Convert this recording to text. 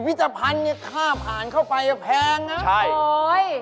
พิธภัณฑ์นี่ค่าผ่านเข้าไปก็แพงน่ะโอ้โฮ๊ย